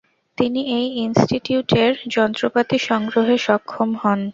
তিনি এই ইন্সটিটিউটের যন্ত্রপাতি সংগ্রহে সক্ষম হন।